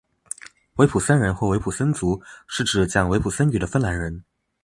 维普森人或维普森族是指讲维普森语的芬兰人。